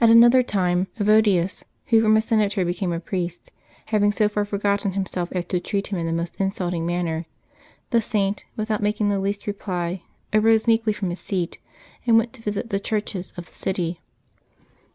At another time, Evo dius, who from a senator became a priest, having so far forgotten himself as to treat him in the most insulting manner, the Saint, without making the least reply, arose meekly from his seat and went to visit the churches of the city.